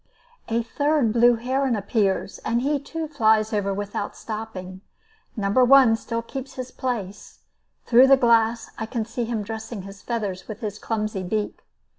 A third blue heron appears, and he too flies over without stopping. Number One still keeps his place; through the glass I can see him dressing his feathers with his clumsy beak.